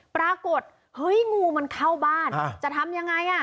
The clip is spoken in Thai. ปรากฏเฮ้ยงูมันเข้าบ้านจะทำยังไงอ่ะ